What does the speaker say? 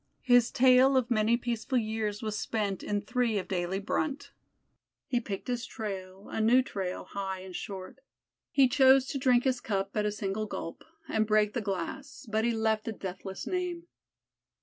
His tale of many peaceful years was spent in three of daily brunt. He picked his trail, a new trail, high and short. He chose to drink his cup at a single gulp, and break the glass but he left a deathless name.